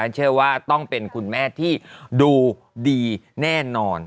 เชื่อว่าต้องเป็นคุณแม่ที่ดูดีแน่นอน